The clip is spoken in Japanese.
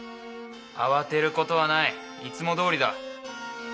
慌てることはない。いつもどおりだ。